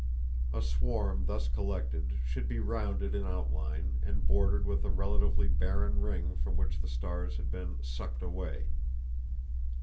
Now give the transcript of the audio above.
A swarm thus collected should be rounded in outline and bordered with a relatively barren ring from which the stars had been "sucked" away.